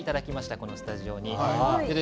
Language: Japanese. このスタジオに。